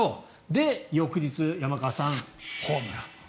で、翌日山川さん、ホームラン。